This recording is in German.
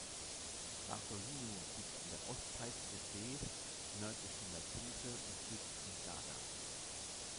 Bardolino liegt an der Ostseite des Sees nördlich von Lazise und südlich von Garda.